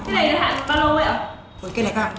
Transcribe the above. bên đó ừ cái này nó hạ được bao lâu vậy ạ cái này có